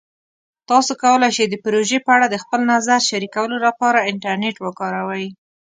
تاسو کولی شئ د پروژې په اړه د خپل نظر شریکولو لپاره انټرنیټ وکاروئ.